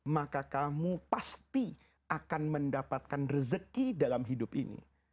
maka kamu pasti akan mendapatkan rezeki dalam hidup ini